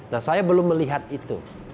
nah saya belum melihat itu